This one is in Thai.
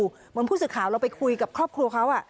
เหมือนผู้สื่อข่าวเราไปคุยกับครอบครัวเขา